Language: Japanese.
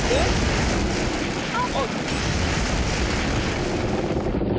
あっ。